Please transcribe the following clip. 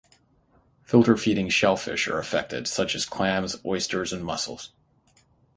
Filter-feeding shellfish are affected, such as clams, oysters, and mussels.